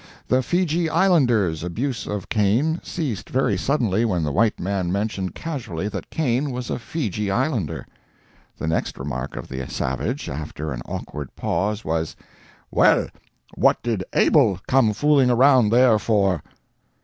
The Feejee Islander's abuse of Cain ceased very suddenly when the white man mentioned casually that Cain was a Feejee Islander. The next remark of the savage, after an awkward pause, was: "Well, what did Abel come fooling around there for?"